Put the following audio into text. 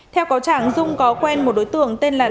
theo cáo trạng dung có quen một đối tượng tên là